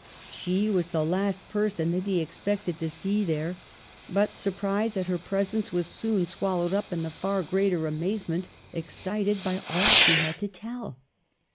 She was the last person that he expected to see there ; but surprise at her presence was soon swallowed up in the far greater amazement excited by all she had to tell.